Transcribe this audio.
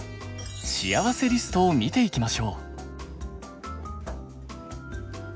しあわせリストを見ていきましょう。